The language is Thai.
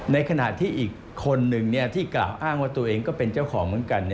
ในขณะที่อีกคนนึงที่กล่าวอ้างว่าตัวเองก็เป็นเจ้าของเหมือนกัน